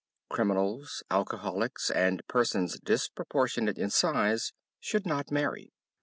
Criminals, alcoholics, and persons disproportionate in size should not marry.